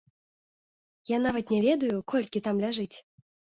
Я нават не ведаю, колькі там ляжыць!